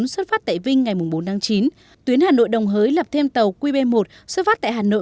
xuất phát tại vinh ngày bốn tháng chín tuyến hà nội đồng hới lập thêm tàu qb một xuất phát tại hà nội